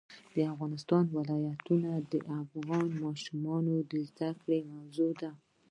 د افغانستان ولايتونه د افغان ماشومانو د زده کړې موضوع ده.